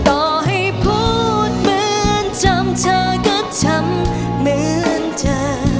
ต่อให้พูดเหมือนจำเธอกับฉันเหมือนเธอ